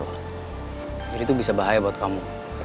jadi itu bisa bahaya buat kamu